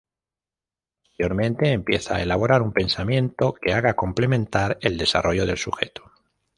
Posteriormente empieza a elaborar un pensamiento que haga complementar el desarrollo del sujeto.